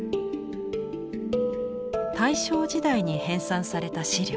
大正時代に編纂された史料。